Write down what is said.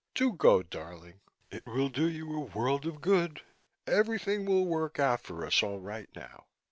Do go, darling. It will do you a world of good. Everything will work out for us all right now."